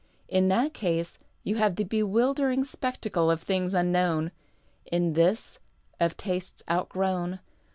In that case you have the bewildering spectacle of things unknown ; in lliis, of tastes outgrown.